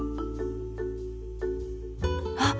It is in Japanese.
あっ！